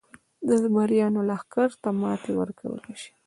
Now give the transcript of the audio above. د زمریانو لښکر ته ماتې ورکولای شي.